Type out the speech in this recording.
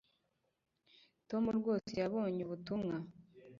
tom rwose yabonye ubutumwa